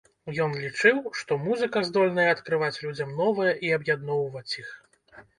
Ён лічыў, што музыка здольная адкрываць людзям новае і аб'ядноўваць іх.